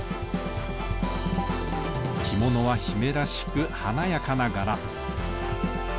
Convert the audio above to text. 着物は姫らしく華やかな柄。